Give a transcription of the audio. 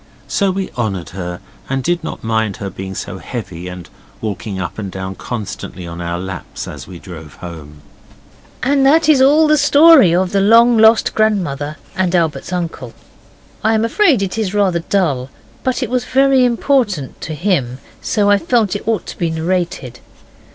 So we honoured her, and did not mind her being so heavy and walking up and down constantly on our laps as we drove home. And that is all the story of the long lost grandmother and Albert's uncle. I am afraid it is rather dull, but it was very important (to him), so I felt it ought to be narrated.